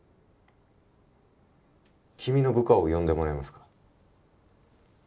君の部下を呼んでもらえますか？